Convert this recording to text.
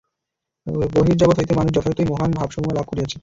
বহির্জগৎ হইতে মানুষ যথার্থই মহান ভাবসমূহ লাভ করিয়াছে।